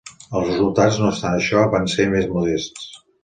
Els resultats, no obstant això, van ser més modests.